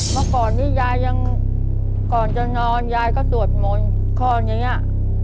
เมื่อก่อนนี้ยายยังก่อนจะนอนยายก็สวดมนต์คลอดอย่างนี้